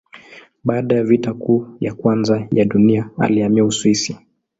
Baada ya Vita Kuu ya Kwanza ya Dunia alihamia Uswisi.